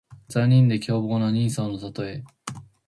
残忍で凶暴な人相のたとえ。